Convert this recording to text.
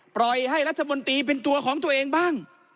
ปล่อยให้รัฐมนตรีเป็นตัวของตัวเองบ้าง